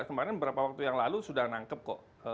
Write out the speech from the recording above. kemarin beberapa waktu yang lalu sudah nangkep kok